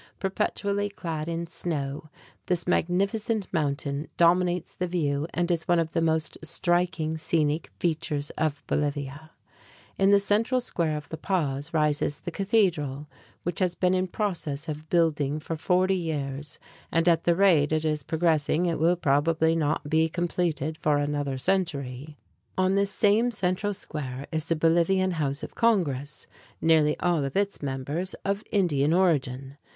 Perpetually clad in snow, this magnificent mountain dominates the view, and is one of the most striking scenic features of Bolivia. In the central square of La Paz rises the cathedral, which has been in process of building for forty years, and at the rate it is progressing it will probably not be completed for another century. On this same central square is the Bolivian House of Congress, nearly all of its members of Indian origin.